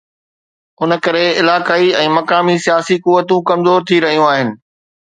ان ڪري علائقائي ۽ مقامي سياسي قوتون ڪمزور ٿي رهيون آهن.